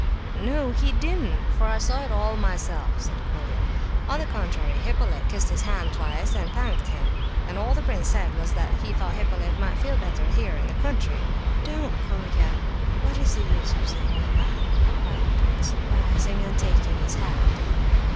"No, he didn't, for I saw it all myself," said Colia. "On the contrary, Hippolyte kissed his hand twice and thanked him; and all the prince said was that he thought Hippolyte might feel better here in the country!" "Don't, Colia,—what is the use of saying all that?" cried the prince, rising and taking his hat.